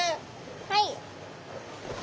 はい！